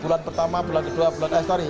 bulan pertama bulan kedua bulan estari